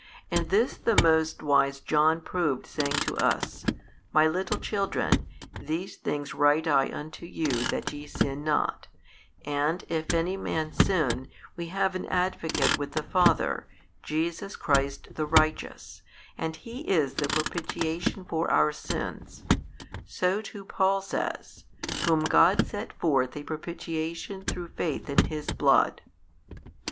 And this the most wise John proved saying to us, My little children, these things write I unto you that ye sin not; and if any man sin, we have an Advocate with the Father, Jesus Christ the Righteous, and He is the Propitiation for our sins; so too Paul says, Whom God set forth a propitiation through faith in His Blood.